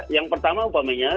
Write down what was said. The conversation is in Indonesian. yang pertama upamanya